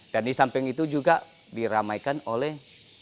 dan di samping itu juga diramaikan oleh